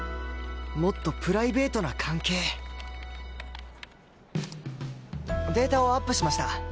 もっとプライベートな関係データをアップしました。